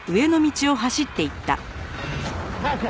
早く！